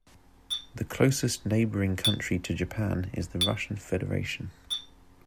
The closest neighboring country to Japan is the Russian Federation.